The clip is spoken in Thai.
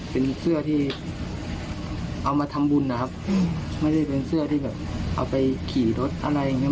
เป็นเสื้อที่เอามาทำบุญนะครับไม่ได้เป็นเสื้อที่แบบเอาไปขี่รถอะไรอย่างเงี้